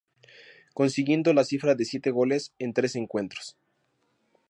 Consiguiendo la cifra de siete goles en trece encuentros.